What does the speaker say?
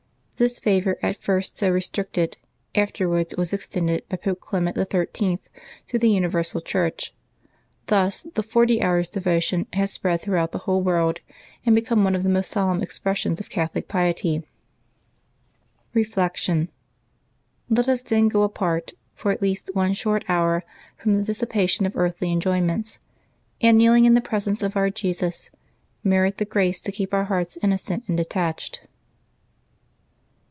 This favor, at first so restricted, afterwards was ex tended by Pope Clement XIII. to the universal Church. Thus the Forty Hours' Devotion has spread throughout the LIVES OF TEE SAINTS 5 whole world and become one of the most solemn expres sions of Catholic piety. Reflection. — Let us then go apart, for at least one short hour, from the dissipation of earthly enjoyments, and, kneeling in the presence of our Jesus, merit the grace to keep our hearts innocent and detached.